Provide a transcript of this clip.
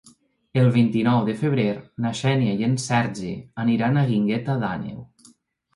El vint-i-nou de febrer na Xènia i en Sergi aniran a la Guingueta d'Àneu.